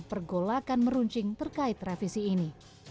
pergolakan meruncing terkait revisi ini